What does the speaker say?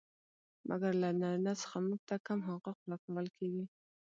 مګر له نارينه څخه موږ ته کم حقوق را کول کيږي.